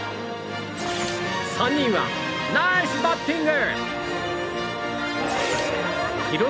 ３人はナイスバッティング！